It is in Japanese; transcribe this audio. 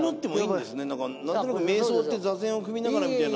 何となく瞑想って座禅を組みながらみたいな。